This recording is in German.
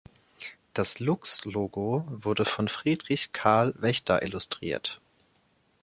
Das Luchs-Logo wurde von Friedrich Karl Waechter illustriert.